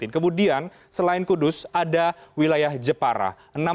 kemudian selain kudus ada wilayah jepara